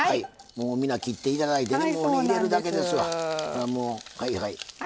みんな切っていただいてもらって入れるだけですわ。